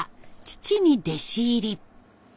父に弟子入り。